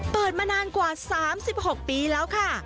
เปิดมานานกว่า๓๖ปีแล้วค่ะ